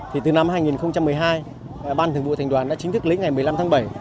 thì từ năm hai nghìn một mươi hai ban thường vụ thành đoàn đã chính thức lấy ngày một mươi năm tháng bảy